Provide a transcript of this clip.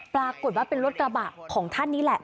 ปรากฏว่าเป็นรถกระบะของท่านนี่แหละ